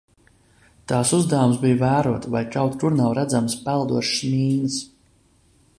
Tās uzdevums bija vērot, vai kaut kur nav redzamas peldošas mīnas.